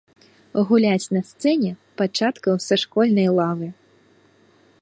Гуляць на сцэне пачаткаў са школьнай лавы.